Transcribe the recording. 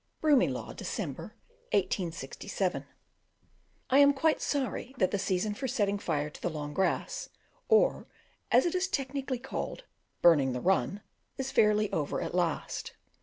Broomielaw, December 1867. I am quite sorry that the season for setting fire to the long grass, or, as it is technically called, "burning the run," is fairly over at last.